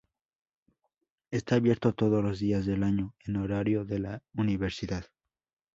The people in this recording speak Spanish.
Está abierto todos los días del año en horario de la universidad.